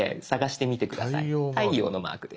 太陽のマークです。